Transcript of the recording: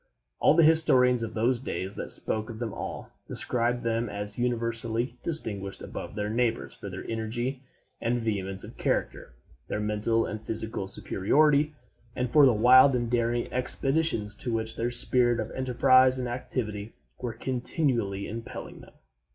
All the historians of those days that speak of them at all, describe them as universally distinguished above their neighbors for their energy and vehemence of character, their mental and physical superiority, and for the wild and daring expeditions to which their spirit of enterprise and activity were continually impelling them.